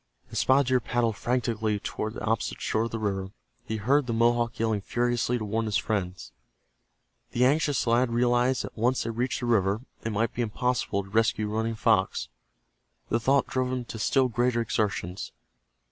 As Spotted Deer paddled frantically toward the opposite shore of the river, he heard the Mohawk yelling furiously to warn his friends. The anxious lad realized that once they reached the river it might be impossible to rescue Running Fox. The thought drove him to still greater exertions.